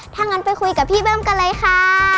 ถ้างั้นไปคุยกับพี่เบิ้มกันเลยค่ะ